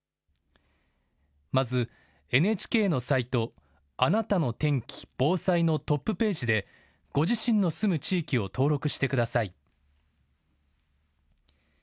まず、ＮＨＫのサイトあなたの天気・防災のトップページでご自身の住む地域を登録してください。